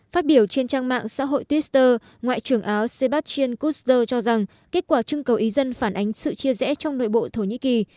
phát biểu trên trang mạng xã hội twitter ngoại trưởng áo sebastien kuster cho rằng kết quả trưng cầu ý dân phản ánh sự chia rẽ trong nội bộ thổ nhĩ kỳ